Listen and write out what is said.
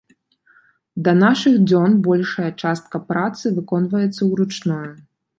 Да нашых дзён большая частка працы выконваецца ўручную.